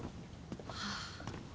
はあ。